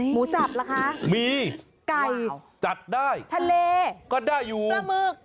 สับเหรอคะมีไก่จัดได้ทะเลก็ได้อยู่ปลาหมึก